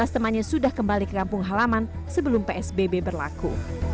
lima belas temannya sudah kembali ke kampung halaman sebelum psbb berlaku